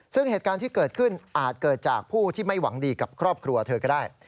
ซึ่งเหตุการณ์ที่เกิดขึ้นอาจเกิดจากผู้ที่ไม่หวังดีกับครอบครัวเธอก็ได้